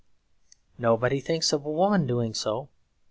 Nobody thinks of a woman doing so.